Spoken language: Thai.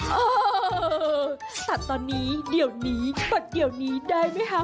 เออสัตว์ตอนนี้เดี๋ยวนี้ปัดเดี๋ยวนี้ได้ไหมคะ